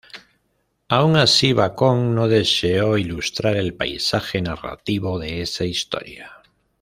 Aun así, Bacon no deseo ilustrar el pasaje narrativo de esa historia.